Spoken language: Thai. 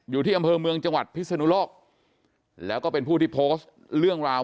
อยู่ที่อำเภอเมืองจังหวัดพิศนุโลกแล้วก็เป็นผู้ที่โพสต์เรื่องราว